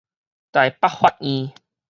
臺北法院